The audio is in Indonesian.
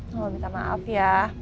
nggak mau minta maaf ya